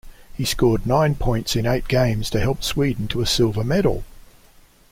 He scored nine points in eight games to help Sweden to a silver medal.